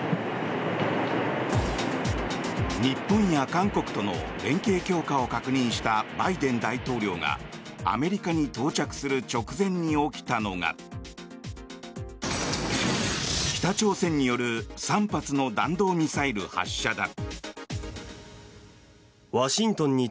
日本や韓国との連携強化を確認したバイデン大統領がアメリカに到着する直前に起きたのが北朝鮮による３発の弾道ミサイル発射だ。